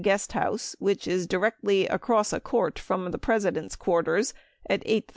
1000 guest house which is directly across a court from the Presi dent's quarters at 8 :30. .